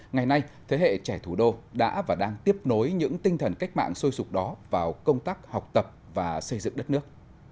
ngày nay thế hệ trẻ thủ đô đã và đang tiếp nối những tinh thần cách mạng sôi sụp đó vào công tác học tập và xây dựng đất nước